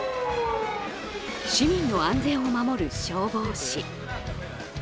市民の安全を守る消防士。